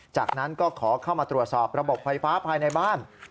จากนั้นก็ขอเข้ามาตรวจสอบระบบไฟฟ้าภายในบ้าน